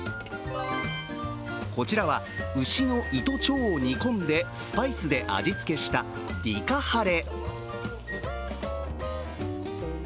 こちらは、牛の胃と腸を煮込んでスパイス味付けしたディカハレ。